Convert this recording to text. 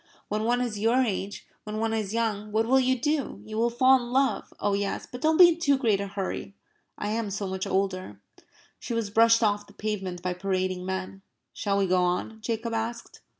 "When one is your age when one is young. What will you do? You will fall in love oh yes! But don't be in too great a hurry. I am so much older." She was brushed off the pavement by parading men. "Shall we go on?" Jacob asked.